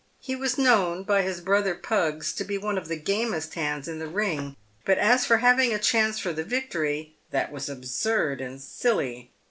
He was known by his brother pugs to be one of the gamest hands in the ring, but as for having a chance for the victory, that was absurd and silly.